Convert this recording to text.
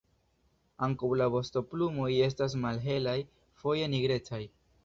Ankaŭ la vostoplumoj estas malhelaj, foje nigrecaj.